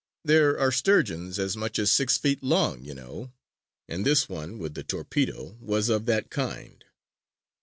There are sturgeons as much as six feet long, you know, and this one with the torpedo was of that kind.